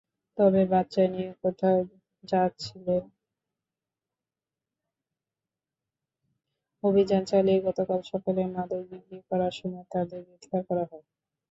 অভিযান চালিয়ে গতকাল সকালে মাদক বিক্রি করার সময় তাঁদের গ্রেপ্তার করা হয়।